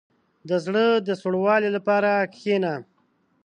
• د زړه د سوړوالي لپاره کښېنه.